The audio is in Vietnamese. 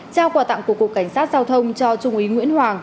trao quà tặng của cục cảnh sát giao thông cho trung úy nguyễn hoàng